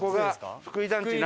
福井団地中。